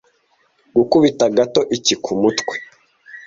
gukubita gato iki ku mutwe